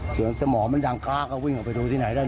สมองมันดังค้าก็วิ่งออกไปดูที่ไหนได้